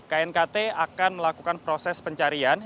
knkt akan melakukan proses pencarian